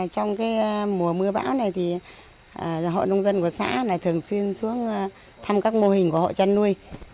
trong mùa mưa bão hộ nông dân của xã thường xuyên xuống thăm các mô hình của hộ chăn nuôi